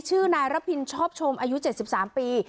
ชื่อนายระพินชอบชมอายุ๗๓ปี